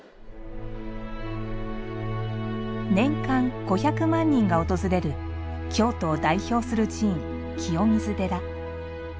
年間５００万人が訪れる京都を代表する寺院・清水寺。